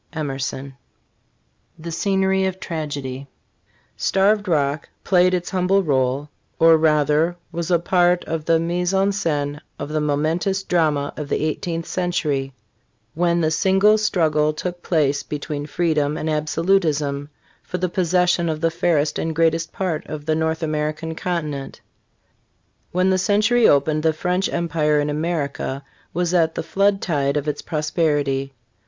Emerson. THE SCENERY OF TRAGEDY. ^ TARVED ROCK played its humble role or, rather, was a part of the . 3 mise en scene of the momentous drama of the eighteenth century, when the great struggle took place between freedom and absolutism for the pos session of the fairest and greatest part of the North American continent When the century opened, the French empire in America was at the flood tide of its prosperity.